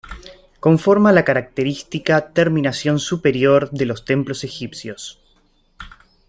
Conforma la característica terminación superior de los templos egipcios.